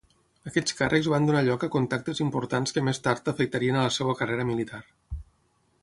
Aquests càrrecs van donar lloc a contactes importants que més tard afectarien a la seva carrera militar.